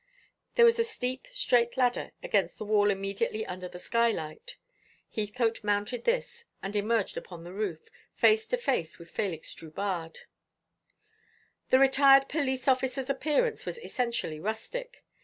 There was a steep straight ladder against the wall immediately under the skylight. Heathcote mounted this and emerged upon the roof, face to face with Félix Drubarde. The retired police officer's appearance was essentially rustic.